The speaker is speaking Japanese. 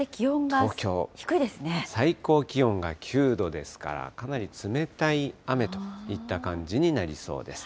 東京、最高気温が９度ですから、かなり冷たい雨といった感じになりそうです。